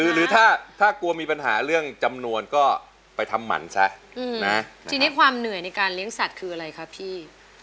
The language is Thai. หรือถ้าถ้ากลัวมีปัญหาเรื่องจำนวนก็ไปทำหมันซะทีนี้ความเหนื่อยในการเลี้ยงสัตว์คืออะไรคะพี่